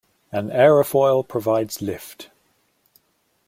An aerofoil provides lift